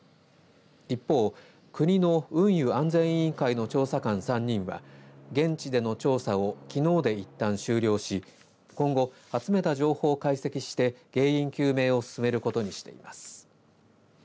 一方、国の運輸安全委員会の調査官３人は現地での調査をきのうで、いったん終了し今後、集めた情報を解析して原因究明を進めることにしています。